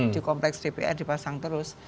di kompleks dpr dipasang terus